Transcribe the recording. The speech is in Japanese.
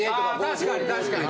あ確かに確かに。